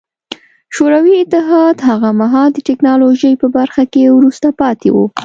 شوروي اتحاد هغه مهال د ټکنالوژۍ په برخه کې وروسته پاتې و